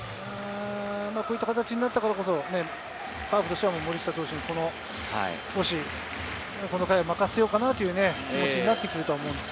こういった形になったからこそカープとしては森下投手、この回を任せようかなという感じになってきてると思います。